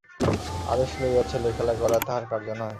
আদেশ লইয়া ছেলেখেলা করা তাঁহার কার্য নহে।